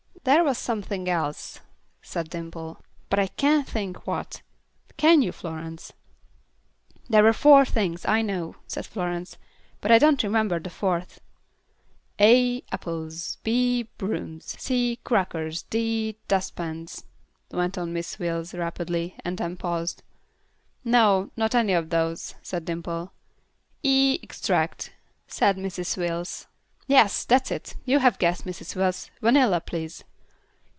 "There was something else," said Dimple, "but I can't think what. Can you, Florence?" "There were four things, I know," said Florence. "But I don't remember the fourth." "A apples, B brooms, C crackers, D dust pans," went on Mrs. Wills, rapidly, and then paused. "No; not any of those," said Dimple. "E extract," said Mrs. Wills. "Yes, that's it. You have guessed, Mrs. Wills, vanilla, please."